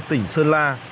tỉnh sơn la